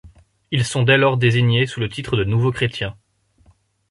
Ils sont dès lors désignés sous le titre de nouveaux chrétiens.